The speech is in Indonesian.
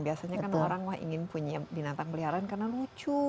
biasanya kan orang wah ingin punya binatang peliharaan karena lucu